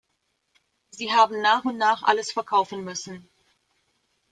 Sie haben nach und nach alles verkaufen müssen.